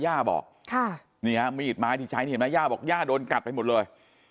ย่าบอกค่ะนี่ฮะมีดไม้ที่ใช้นี่เห็นไหมย่าบอกย่าโดนกัดไปหมดเลย